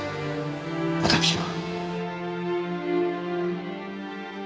私は。